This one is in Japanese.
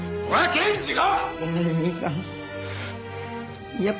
健次郎！